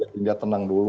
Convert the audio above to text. tidak tenang dulu